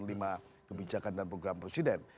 lima kebijakan dan program presiden